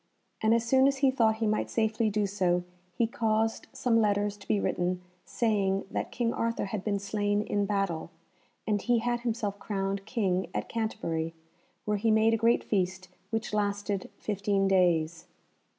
And as soon as he thought he might safely do so he caused some letters to be written saying that King Arthur had been slain in battle, and he had himself crowned King at Canterbury, where he made a great feast which lasted fifteen days.